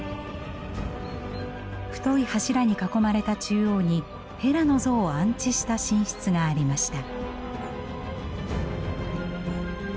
太い柱に囲まれた中央にヘラの像を安置した神室がありました。